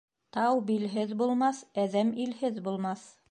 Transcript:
Тау билһеҙ булмаҫ, әҙәм илһеҙ булмаҫ.